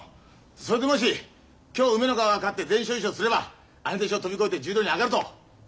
それともし今日梅ノ川が勝って全勝優勝すれば兄弟子を飛び越えて十両に上がるとこういうこと。